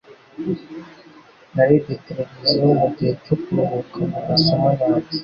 Narebye televiziyo mugihe cyo kuruhuka mu masomo yanjye.